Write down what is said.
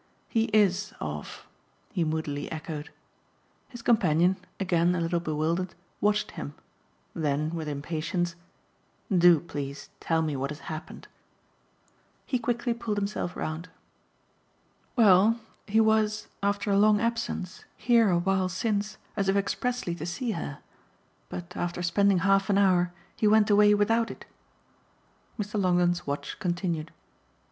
"He IS off," he moodily echoed. His companion, again a little bewildered, watched him; then with impatience: "Do, please, tell me what has happened." He quickly pulled himself round. "Well, he was, after a long absence, here a while since as if expressly to see her. But after spending half an hour he went away without it." Mr. Longdon's watch continued.